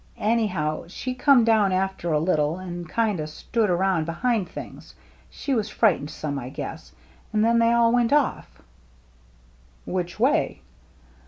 Anyhow, she come down after a little and kind o' stood around behind things. She was frightened some, I guess. And then they all went off." "Which way?'